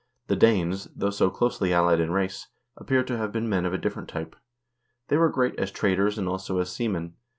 The Danes,2 though so closely allied in race, appear to have been men of a different type. They were great as traders and also as seamen.